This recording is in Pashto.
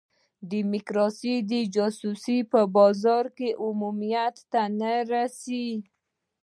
ډیموکراسي د جاسوسۍ په بازار کې عمومیت ته نه رسي.